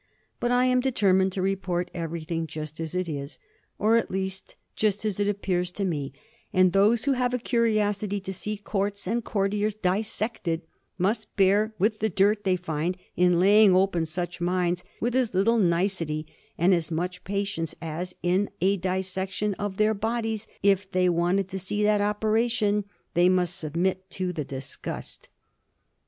But I am determined to report everything just as it is, or at least just as it appears to me ; and those who have a curiosity to see courts and courtiers dissected, must bear with the dirt they find in laying open such minds with as little nicety and as much patience as, in a dissection of their bodies, if they wanted to see that operation, they must submit to the disgust.'